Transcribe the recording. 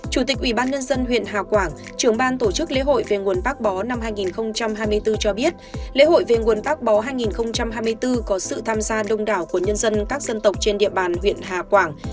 chủ tịch ủy ban nhân dân huyện hà quảng trưởng ban tổ chức lễ hội về nguồn bác bó năm hai nghìn hai mươi bốn cho biết lễ hội về nguồn bác bó hai nghìn hai mươi bốn có sự tham gia đông đảo của nhân dân các dân tộc trên địa bàn huyện hà quảng